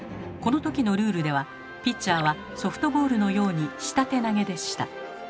この時のルールではピッチャーはソフトボールのように下手投げでした。